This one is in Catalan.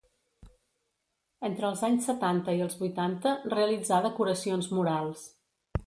Entre els anys setanta i els vuitanta realitzà decoracions murals.